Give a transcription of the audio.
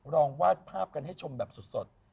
วาดภาพกันให้ชมแบบสด